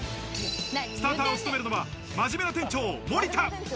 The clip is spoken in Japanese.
スターターを務めるのは真面目な店長・森田。